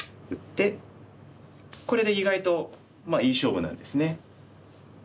これで意外といい勝負なんですね。